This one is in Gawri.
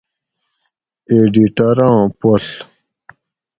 ایڈیٹراں پڷ